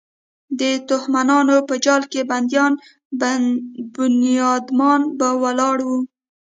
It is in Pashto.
د توهماتو په جال کې بند بنیادمان به ولاړ وو.